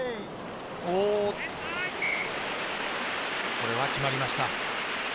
これは決まりました。